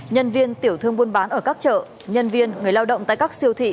nhân viên tiểu thương buôn bán ở các chợ nhân viên người lao động tại các siêu thị